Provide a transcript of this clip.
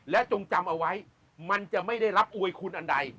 และจงจำเอาไว้มันจะไม่ได้รับอวยคุณอันใด